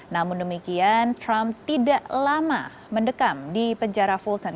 namun demikian trump tidak lama mendekam di penjara fulton